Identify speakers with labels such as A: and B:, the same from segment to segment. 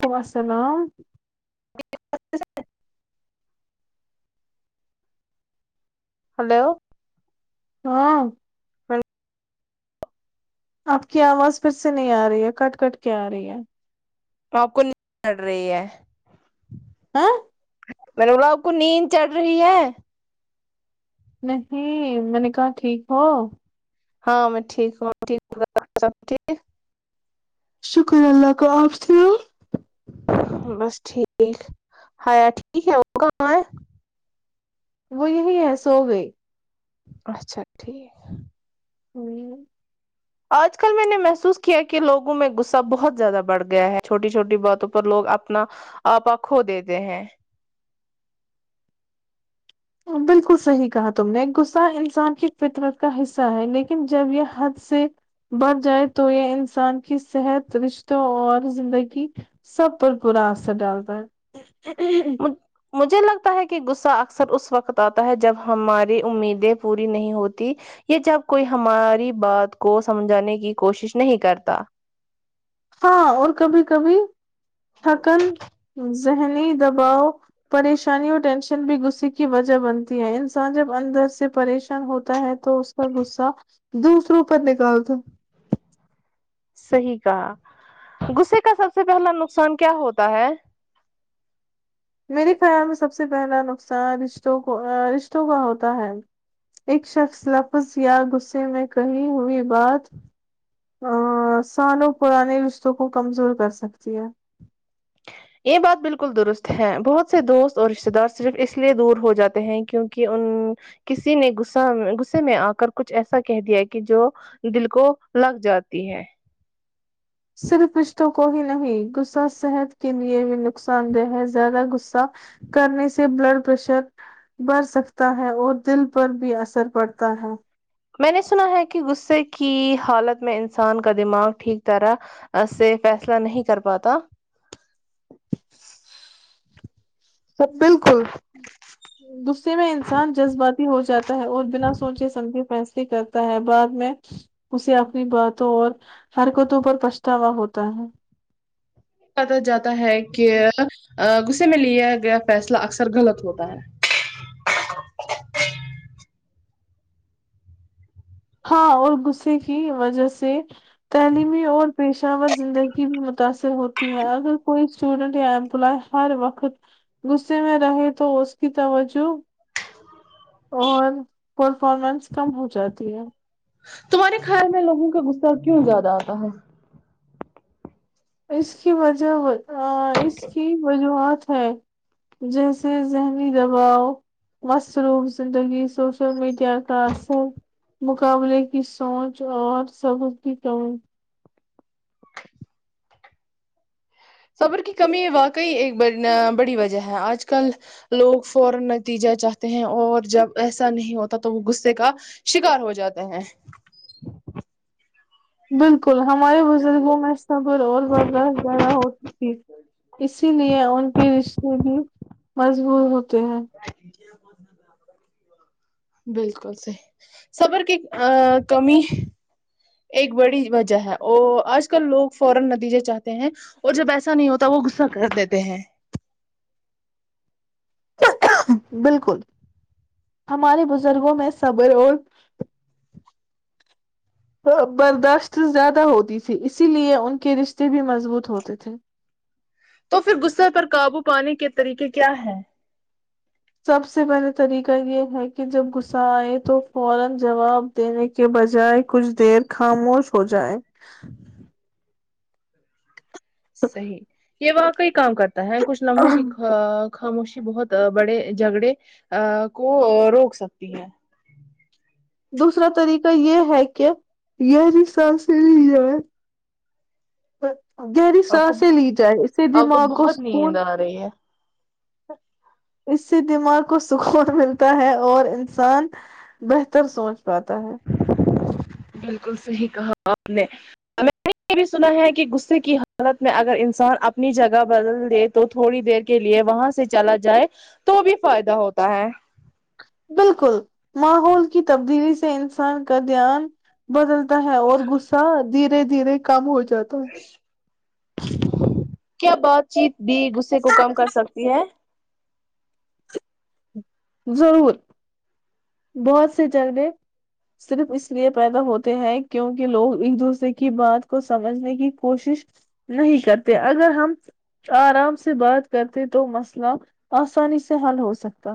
A: ولیکم السلام
B: ہیلو
A: ہاں آپ کی آواز پھر سے نہیں آرہی ہے کٹ کٹ کے آ رہی ہے
B: آپ کو [unintelligible]
A: ہاں
B: میں نے بولا آپکو نیند چڑ رہی ہے
A: نہیں میں نے کہا ٹھیک ہو
B: ہاں میں ٹھیک ہوں آپ سب ٹھیک
A: شکر اللہ کا آپ سناؤ
B: بس ٹھیک ہایا ٹھیک ہے وہ کہاں ہے
A: وہ یہی ہے سو گئی
B: اچھا ٹھیک
A: ہمم
B: آج کل میں نے محسوس کیا کہ لوگوں میں غصہ بہت زیادہ بڑھ گیا ہے چھوٹی چھوٹی باتوں پر لوگ اپنا آپہ کھو دیتے ہیں
A: بالکل صحیح کہا تم نے غصہ انسان کی فطرت کا حصہ ہے لیکن جب یہ حد سے بڑھ جائے تو یہ انسان کی صحت رشتوں اور زندگی سب پر برا اثر ڈالتا ہے
B: مجھے لگتا ہے کہ غصہ اکثر اس وقت آتا ہے جب ہماری امیدیں پوری نہیں ہوتی کہ جب کوئی ہماری بات کو سمجھانے کی کوشش نہیں کرتا
A: ہاں اور کبھی کبھی تھکن ذہنی دباؤ پریشانی اور ٹینشن بھی غصے کی وجہ بنتی ہے انسان جب اندر سے پریشان ہوتا ہے تو اس کا غصہ دوسروں پر نکلتا
B: صحیح کہا غصے کا سب سے پہلا نقصان کیا ہوتا ہے
A: میرے خیال میں سب سے پہلا نقصان رشتوں کو رشتوں کا ہوتا ہے ایک شخص لفظ یا غصے میں کہی ہوئی بات ا سالوں پرانے رشتوں کو کمزور کر سکتی ہے
B: یہ بات بالکل درست ہے بہت سے دوست اور رشتے دار صرف اس لیے دور ہو جاتے ہیں کیونکہ ان کسی نے غصہ غصے میں آ کر کچھ ایسا کہہ دیا کہ جو دل کو لگ جاتی ہے
A: صرف رشتوں کو ہی نہیں غصہ صحت کے لیے بھی نقصان دہ ہے زیادہ غصہ کرنے سے بلڈ پریشر بڑ سکتا ہے اور دل پر بھی اثر پڑتا ہے
B: میں نے سنا ہے کہ غصے کی حالت میں انسان کا دماغ ٹھیک طرح سے فیصلہ نہیں کر پاتا
A: سب بالکل غصے میں انسان جذباتی ہو جاتا ہے اور بنا سوچے سمجھے فیصلے کرتا ہے بعد میں اسے اپنی باتوں اور حرکتوں پر پچھتاوا ہوتا ہے
B: پتا جاتا ہے کہ غصے میں لیا گیا فیصلہ اکثر غلط ہوتا ہے
A: ہاں اور غصے کی وجہ سے تعلیمی اور پیشہ ور زندگی بھی متاثر ہوتی ہے اگر کوئی اسٹوڈینٹ یا امپلائے ہر وقت غصے میں رہے تو اس کی توجہ اور پرفارمنس کم ہو جاتی ہے
B: تمہارے خیال میں لوگوں کا غصہ کیوں زیادہ آتا ہے
A: اس کی وجہ اس کی وجوہات ہے جیسے ذہنی دباؤ مصروف زندگی سوشل میڈیا کا اثر مقابلے کی سوچ اور صبر کی کمی
B: صبر کی کمی واقعی ایک بڑی وجہ ہے آج کل لوگ فورا نتیجہ چاہتے ہیں اور جب ایسا نہیں ہوتا تو وہ غصے کا شکار ہو جاتے ہیں
A: بالکل ہمارے بزرگوں میں صبر اور برداشت زیادہ ہوتی تھی اسی لیے ان کے رشتے بھی مضبوط ہوتے ہیں
B: [unintelligible] بالکل صحیح صبر کی ا کمی ایک بڑی وجہ ہے اور آج کل لوگ فورا نتیجے چاہتے ہیں اور جب ایسا نہیں ہوتا وہ غصہ کر دیتے ہیں
A: بالکل ہمارے بزرگوں میں صبر اور برداشت زیادہ ہوتی تھی اسی لیے ان کے رشتے بھی مضبوط ہوتے تھے
B: تو پھر غصے پر قابو پانے کے طریقے کیا ہے
A: سب سے پہلے طریقہ یہ ہے کہ جب غصہ آئے تو فورا جواب دینے کے بجائے کچھ دیر خاموش ہو جائے
B: صحیح یہ واقع کام کرتا ہے کچھ لمحوں کہا خاموشی بہت بڑے جھگڑے ا کو روک سکتی ہے
A: دوسرا طریقہ یہ ہے کہ ری [inaudible] سال سے گہری
B: آپ کو
A: سانسیں لی جائے اس سے دماغ کو سکون
B: صحیح ہے
A: اس سے دماغ کو سکون ملتا ہے اور انسان بہتر سوچ پاتا ہے
B: بالکل صحیح کہا آپ نے میں نے یہ بھی سنا ہے کہ غصے کی حالت میں اگر انسان اپنی جگہ بدل دے تو تھوڑی دیر کے لیے وہاں سے چلا جائے تو بھی فائدہ ہوتا ہے
A: بالکل ماحول کی تبدیلی سے انسان کا دھیان بدلتا ہے اور غصہ دھیرے دھیرے کم ہو جاتا
B: کیا بات چیت بھی غصے کو کم کر سکتی ہے
A: ضرور بہت سے چلبے صرف اس لیے پیدا ہوتے ہیں کیونکہ لوگ ایک دوسرے کی بات کو سمجھنے کی کوشش نہیں کرتے اگر ہم آرام سے بات کرتے تو مسئلہ آسانی سے حل ہو سکتا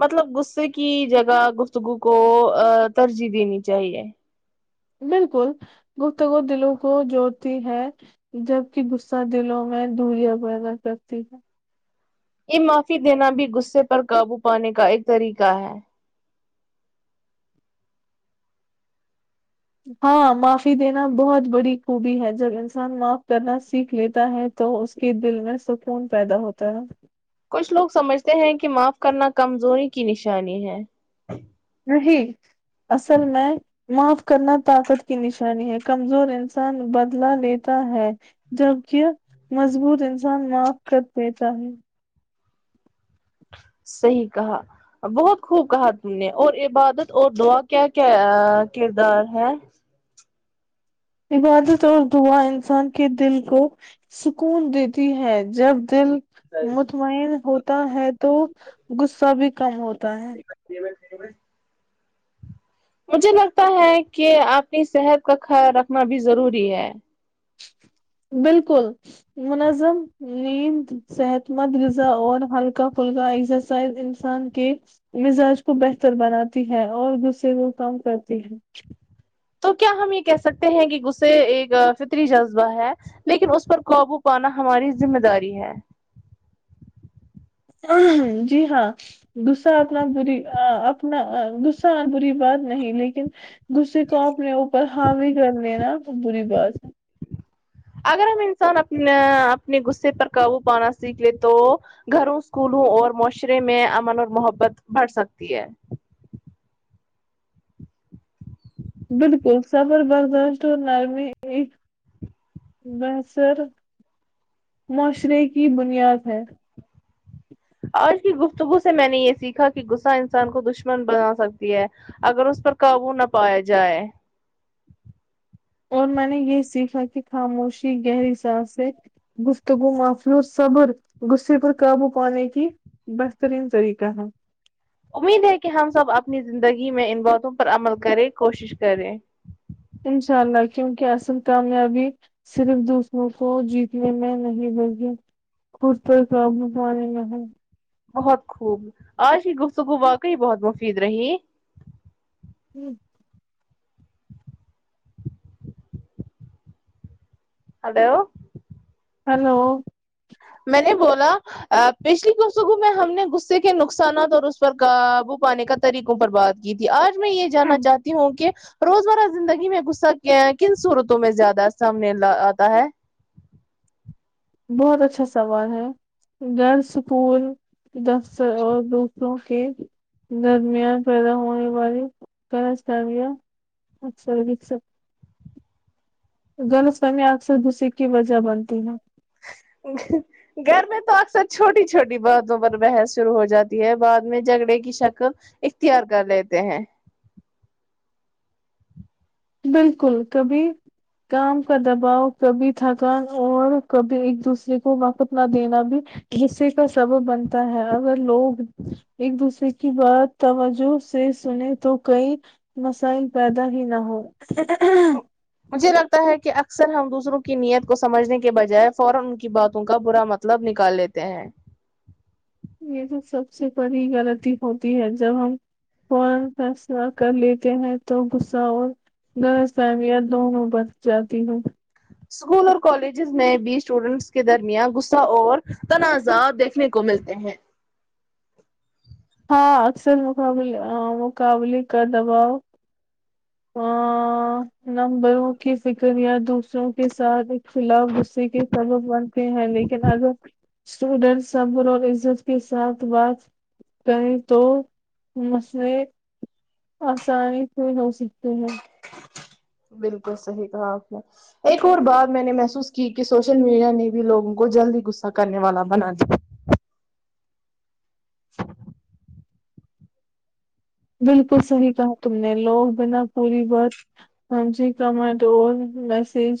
B: مطلب غصے کی جگہ گفتگو کو ترجیح دینی چاہیے
A: بالکل گفتگو دلوں کو جوڑتی ہے جبکہ غصہ دلوں میں دوریاں پیدا کرتی ہے
B: یہ معافی دینا بھی غصے پر قابو پانے کا ایک طریقہ ہے
A: ہاں معافی دینا بہت بڑی خوبی ہے جب انسان معاف کرنا سیکھ لیتا ہے تو اس کے دل میں سکون پیدا ہوتا ہے
B: کچھ لوگ سمجھتے ہیں کہ معاف کرنا کمزوری کی نشانی ہے
A: نہیں اصل میں معاف کرنا طاقت کی نشانی ہے کمزور انسان بدلا لیتا ہے جبکہ مضبوط انسان معاف کر دیتا ہے
B: صحیح کہا بہت خوب کہا تم نے اور عبادت اور دعا کیا کیا کردار ہے
A: عبادت اور دعا انسان کے دل کو سکون دیتی ہے جب دل مطمئن ہوتا ہے تو غصہ بھی کم ہوتا ہے
B: میں میں [inaudible] مجھے لگتا ہے کہ اپنی صحت کا خیال رکھنا بھی ضروری ہے
A: بالکل منظم نیند صحت مند غذا اور ہلکا کل کا ایکسرسائز انسان کے مزاج کو بہتر بناتی ہے اور غصہ کم کرتی ہے
B: تو کیا ہم یہ کہہ سکتے ہیں کہ غصے ایک فطری جذبہ ہے لیکن اس پر قابو پانا ہماری ذمہ داری ہے
A: جی ہاں غصہ اپنا بری اپنا غصہ اور بری بات نہیں لیکن غصے کو اپنے اوپر حاوی کر لینا بری بات ہے
B: اگر ہم انسان اپنا اپنے غصے پر قابو پانا سیکھ لیں تو گھروں اسکولوں اور معاشرے میں امن اور محبت بڑھ سکتی ہے
A: بالکل صبر برداشت اور نرمی بھی بہثر معاشرے کی بنیاد ہے
B: آج کی گفتگو سے میں نے یہ سیکھا کہ غصہ انسان کو دشمن بنا سکتی ہے اگر اس پر قابو نہ پایا جائے
A: اور میں نے یہ سیکھا کہ خاموشی گہری ساس ہے گفتگو مافلو صبر غصے پر قابو پانے کی بہترین طریقہ ہے
B: امید ہے کہ ہم سب اپنی زندگی میں ان باتوں پر عمل کرے کوشش کریں
A: انشاء اللہ کیونکہ اصل کامیابی صرف دوسروں کو جیتنے میں نہیں ملیتے [unintelligible]
B: بہت خوب آج کی گفتگو واقعی بہت مفید رہی
A: ہوں
B: ہلو
A: ہلو
B: میں نے بولا پچھلی کفتگوں میں ہم نے غصے کے نقصانات اور اس پر قابو پانے کا طریقوں پر بات کی تھی آج میں یہ جاننا چاہتی ہوں کہ روزمرہ زندگی میں غصہ کن صورتوں میں زیادہ سامنے آتا ہے
A: بہت اچھا سوال ہے غیر سکون دس اور دوسروں کے درمیان پیدا ہونے والی [unintelligible] ستانیا اکثر دکھ سک غلط فہمیاں اکثر غصے کی وجہ بنتی ہیں
B: [unintelligible] گھر میں تو اکثر چھوٹی چھوٹی باتوں پر بحث شروع ہو جاتی ہے بعد میں جھگڑے کی شکل اختیار کر لیتے ہیں
A: بالکل کبھی کام کا دباو کبھی تھکان اور کبھی ایک دوسرے کو وقت نہ دینا بھی غصے کا سبب بنتا ہے اگر لوگ ایک دوسرے کی بات توجہ سے سنے تو کئی مسائل پیدا ہی نہ ہو
B: مجھے لگتا ہے کہ اکثر ہم دوسروں کی نیت کو سمجھنے کے بجائے فورا ان کی باتوں کا برا مط لب نکال لیتے ہیں
A: یہ تو سب سے بڑی غلطی ہوتی ہے جب ہم کون فیصلہ کر لیتے ہیں تو غصہ اور غلط فہمیاں دونوں بس جاتی ہوں
B: اسکول اور کالجز میں بھی اسٹوڈینٹس کے درمیان غصہ اور تنازع دیکھ نے کو ملتے ہیں
A: ہاں اکثر مقابل مقابلے کر دباؤ ا نمبروں کی فکر یا دوسروں کے ساتھ ایک خلاف غصے کے سبب بنتے ہیں لیکن اگر اسٹوڈینٹ صبر اور عزت کے ساتھ بات کہیں تو مسلے آسانی سے ہو سکتے ہیں
B: بالکل صحیح کہا آپ نے ایک اور بات میں نے محسوس کی کہ سوشل میڈیا نے بھی لوگوں کو جلدی غصہ کرنے والا بنا دیا
A: بالکل صحیح کہا تم نے لوگ بنا پوری بات ہاں جی کمنٹ اور میسج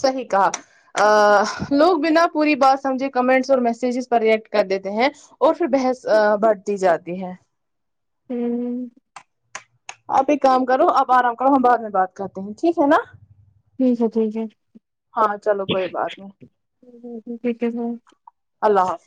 B: صحیح کہا لوگ بنا پوری بات سمجھے کمنٹس اور میسجز پر ریئٹ کر دیتے ہیں اور پھر بحث بڑھتی جاتی ہے
A: ہوں
B: آپ ایک کام کرو آپ آرام کرو ہم بعد میں بات کرتے ہیں ٹھیک ہے نا
A: ٹھیک ہے ٹھیک ہے
B: ہاں چلو کوئی بات نہیں
A: [unintelligible] یک ہے
B: اللہ حاف